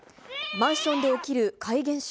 マンションで起きる怪現象。